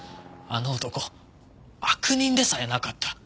あの男悪人でさえなかった。